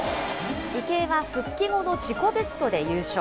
池江は復帰後の自己ベストで優勝。